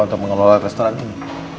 untuk mengelola restoran ini